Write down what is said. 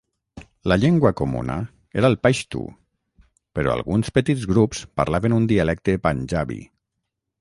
La llengua comuna era el paixtu però alguns petits grups parlaven un dialecte panjabi.